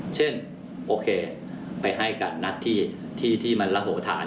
เช่นโอเคไปให้กับนัดที่มันระโหฐาน